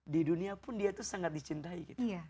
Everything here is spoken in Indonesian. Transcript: di dunia pun dia itu sangat dicintai gitu